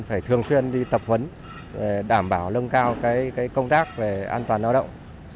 phải thường xuyên đi tập huấn để đảm bảo lưng cao công tác về an toàn lao động